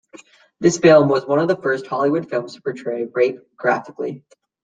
This film was one of the first Hollywood films to portray rape graphically.